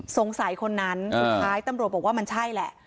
สงสัยคนนั้นสุดท้ายตำรวจบอกว่ามันใช่แหละ